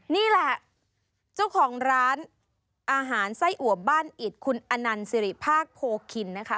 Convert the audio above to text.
นี่แหละเจ้าของร้านอาหารไส้อัวบ้านอิดคุณอนันต์สิริภาคโพคินนะคะ